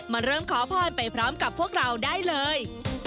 มาเริ่มขอพรไปพร้อมกับพวกเราได้เลย